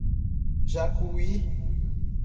Jacuí